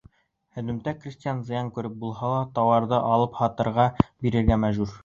Һөҙөмтәлә крәҫтиән, зыян күреп булһа ла, тауарын алыпһатарға бирергә мәжбүр.